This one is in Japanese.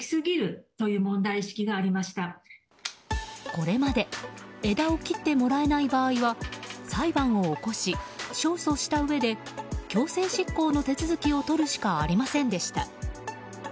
これまで枝を切ってもらえない場合は裁判を起こし、勝訴したうえで強制執行の手続きをとるしかありませんでした。